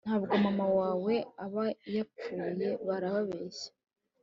ntabwo mama wawe aba yapfuye barabeshya